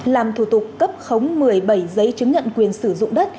làm thủ tục cấp khống một mươi bảy giấy chứng nhận quyền sử dụng đất